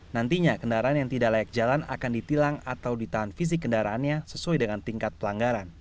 nantinya kendaraan yang tidak layak jalan akan ditilang atau ditahan fisik kendaraannya sesuai dengan tingkat pelanggaran